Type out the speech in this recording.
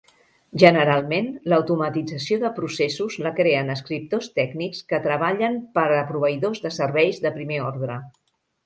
Generalment, l'automatització de processos la creen escriptors tècnics que treballen per a proveïdors de serveis de primer ordre.